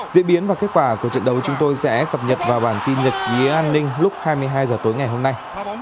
diễn biến và kết quả của trận đấu chúng tôi sẽ cập nhật vào bản tin nhật ký an ninh lúc hai mươi hai h tối ngày hôm nay